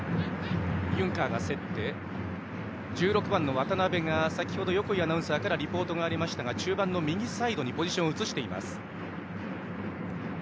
渡邉が先ほど横井アナウンサーからリポートがありましたが中盤右サイドにポジションを移しています。